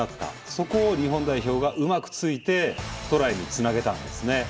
そこを日本代表がうまくついてトライにつなげたんですね。